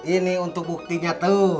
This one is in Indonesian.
ini untuk buktinya tuh